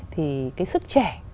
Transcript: thì cái sức trẻ